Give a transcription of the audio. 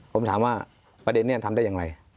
ผมถามว่าประเด็นนี้ทำได้อย่างไร